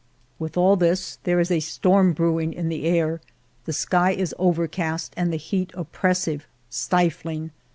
With all this, there is a storm brewing in the air, the sky is overcast, and the heat oppressive, stifling.